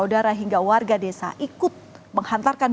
untuk rawiting dan penilaianan apa yang saya lakuin